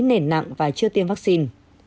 nền nặng và chưa tiêm vaccine